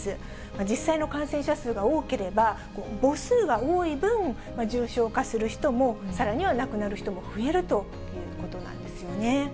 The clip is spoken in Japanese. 実際の感染者数が多ければ、母数が多い分、重症化する人もさらには亡くなる人も増えるということなんですよね。